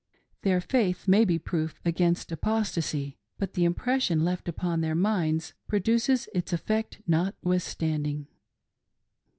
Their faith may be proof against apostasy, but the impression left upon their minds produces its effect notwithstanding.